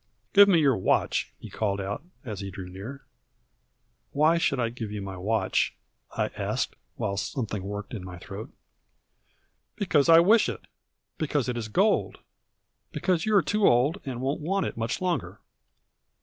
"Give me your watch!" he called out, as he drew near. "Why should I give you my watch?" I asked, while something worked in my throat. "Because I wish it; because it is gold; because you are too old, and won't want it much longer."